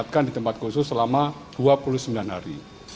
khusus selama dua puluh sembilan hari